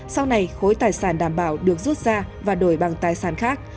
sau này khối tài sản đảm bảo được rút ra và đổi bằng tài sản khác